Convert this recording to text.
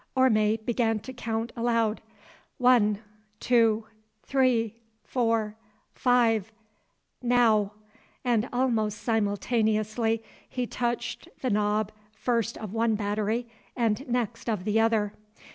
Orme began to count aloud. "One, two, three, four, five—now!" and almost simultaneously he touched the knob first of one battery and next of the other.